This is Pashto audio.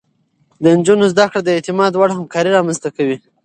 د نجونو زده کړه د اعتماد وړ همکاري رامنځته کوي.